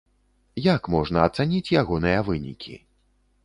Як можна ацаніць ягоныя вынікі?